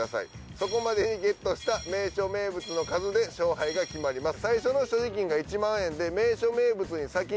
そこまでにゲットした名所名物の数で勝敗が決まります。